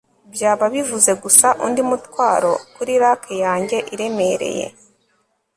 byaba bivuze gusa undi mutwaro kuri rack yanjye iremereye